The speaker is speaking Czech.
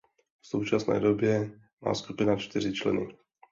V současné době má skupina čtyři členy.